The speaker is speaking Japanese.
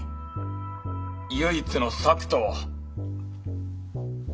唯一の策とは？